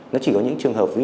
nó chỉ có những trường hợp như